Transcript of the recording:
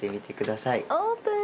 オープン！